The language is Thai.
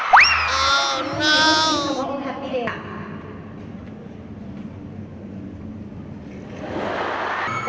สวัสดีครับ